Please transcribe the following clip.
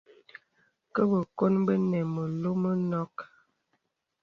Kə bəkòn bənə məlɔ̄ mənɔ̄k.